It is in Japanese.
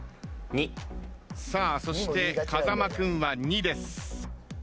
そして風間君は２です。